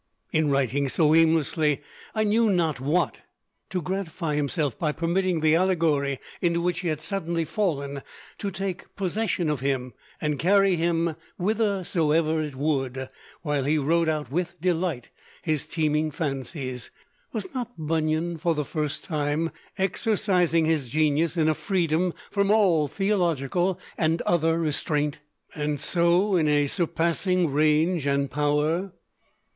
In writing so aimlessly "I knew not what" to gratify himself by permitting the allegory into which he had suddenly fallen to take possession of him and carry him whithersoever it would, while he wrote out with delight his teeming fancies, was not Bunyan for the first time exercising his genius in a freedom from all theological and other restraint, and so in a surpassing range and power?